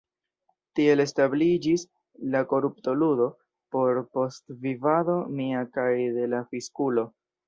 Tiel establiĝis la korupto-ludo, por postvivado mia kaj de la fiskulo!